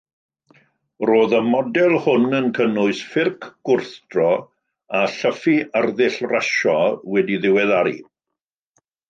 Roedd y model hwn yn cynnwys ffyrc gwrthdro a llyffu arddull rasio wedi'i ddiweddaru.